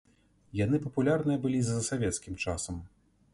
Яны папулярныя былі за савецкім часам.